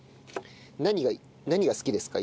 何が何が好きですか？